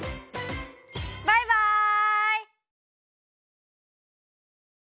バイバイ！